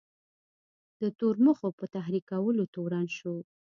د تورمخو په تحریکولو تورن شو.